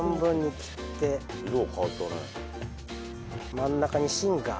真ん中に芯が。